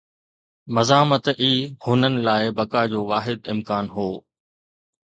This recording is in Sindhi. مزاحمت ئي هنن لاءِ بقا جو واحد امڪان هو.